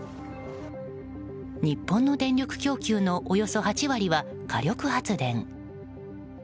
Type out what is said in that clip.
日本の電力供給のおよそ８割は火力発電。